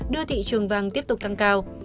đưa thị trường vàng tiếp tục tăng cao